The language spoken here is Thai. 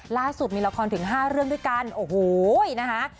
ล่าสุดมีละครถึง๕เรื่องด้วยกันโอ้โหนะคะ